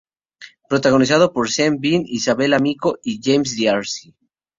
Protagonizada por Sean Bean, Izabella Miko y James D'Arcy.